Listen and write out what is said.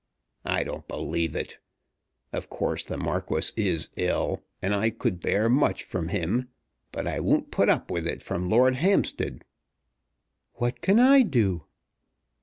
"I don't believe it. Of course the Marquis is ill, and I could bear much from him. But I won't put up with it from Lord Hampstead." "What can I do?"